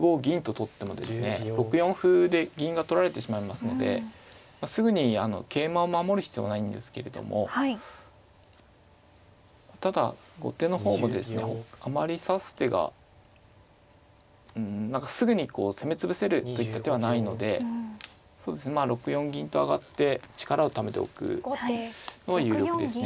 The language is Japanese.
６四歩で銀が取られてしまいますのですぐに桂馬を守る必要はないんですけれどもただ後手の方もですねあまり指す手がうん何かすぐに攻め潰せるといった手はないのでまあ６四銀と上がって力をためておくのは有力ですね。